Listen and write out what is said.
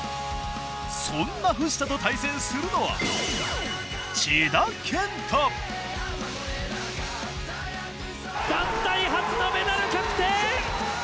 そんな藤田と対戦するのは団体初のメダル確定！